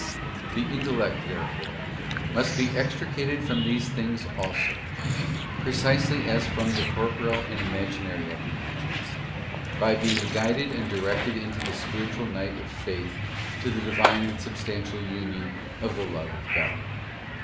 The intellect, therefore, must be extricated from these things also — precisely as from the corporeal and imaginary apprehensions—by being guided and directed into the spiritual Night of Faith to the Divine and. substantial Union of the love of God.